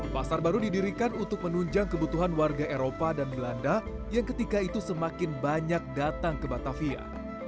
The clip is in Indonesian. pasar baru didirikan untuk menunjang kebutuhan warga eropa dan belanda yang ketika itu semakin banyak datang ke batavia